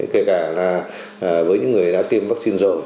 kể cả với những người đã tiêm vaccine rồi